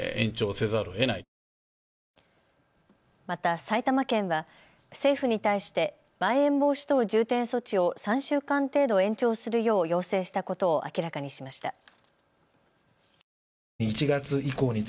また埼玉県は政府に対してまん延防止等重点措置を３週間程度延長するよう要請したことを明らかにしました。